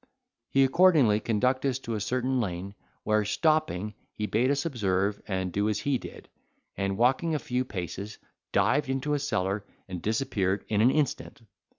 He accordingly conducted us to a certain lane, where stopping, he bade us observe him, and do as he did, and, walking a few paces, dived into a cellar and disappeared in an instant.